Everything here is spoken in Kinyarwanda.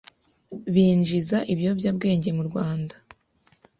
binjiza ibiyobyabwenge mu Rwanda